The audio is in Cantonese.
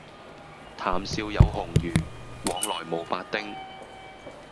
談笑有鴻儒，往來無白丁